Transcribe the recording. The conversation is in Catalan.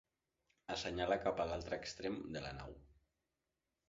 Assenyala cap a l'altre extrem de la nau.